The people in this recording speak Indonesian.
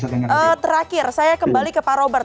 oke terakhir saya kembali ke pak robert